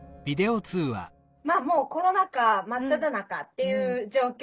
もうコロナ禍真っただ中っていう状況